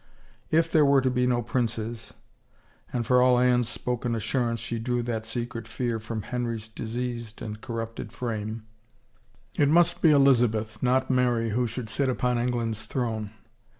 If there were to be no princes — and for all Anne's spoken assurance she drew that secret fear from Henry's dis eased and corrupted frame — it must be Elizabeth, not Mary, who should sit upon England's throne.